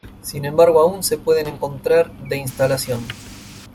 Sin embargo aún se pueden encontrar de instalación.